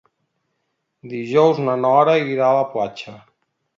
Dijous na Nora irà a la platja.